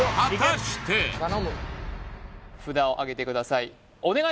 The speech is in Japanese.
札をあげてください